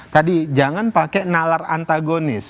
tadi jangan pakai nalar antagonis